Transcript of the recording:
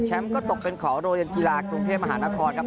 ก็ตกเป็นของโรงเรียนกีฬากรุงเทพมหานครครับ